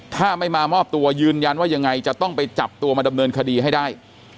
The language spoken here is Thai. ถ้าไม่มามอบตัวยืนยันว่ายังไงจะต้องไปจับตัวมาดำเนินคดีให้ได้